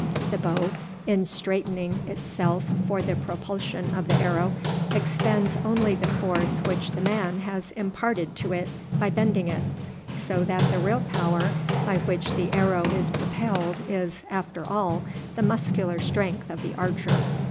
The bow, in straightening itself for the propulsion of the arrow, expends only the force which the man has imparted to it by bending it; so that the real power by which the arrow is propelled is, after all, the muscular strength of the archer.